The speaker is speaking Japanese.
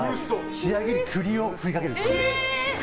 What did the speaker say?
仕上げに栗を振りかける。